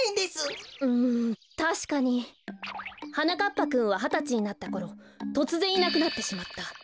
ぱくんははたちになったころとつぜんいなくなってしまった。